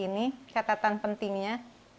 ini catatan pentingnya